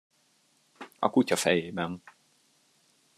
A kutya fejében.